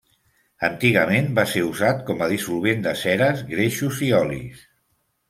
Antigament va ser usat com a dissolvent de ceres, greixos i olis.